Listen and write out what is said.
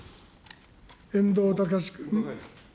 遠藤敬君。